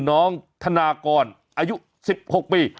น้องธนากรอายุ๑๖ปี